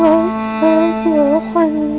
ya allah rahim